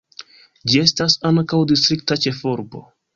Ĝi estas ankaŭ distrikta ĉefurbo.